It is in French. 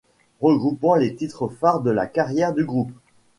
Regroupant les titres phares de la carrière du groupe.